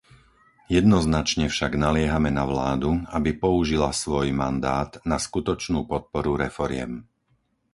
Jednoznačne však naliehame na vládu, aby použila svoj mandát na skutočnú podporu reforiem.